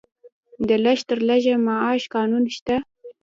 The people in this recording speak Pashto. د لږ تر لږه معاش قانون شته؟